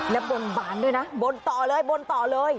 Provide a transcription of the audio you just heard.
และบนบานด้วยนะบนต่อเลย